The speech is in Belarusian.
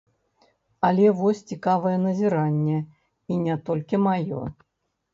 Але вось цікавае назіранне, і не толькі маё.